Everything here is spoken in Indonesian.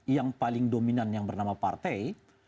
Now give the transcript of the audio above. yang paling dominan yang bernama partai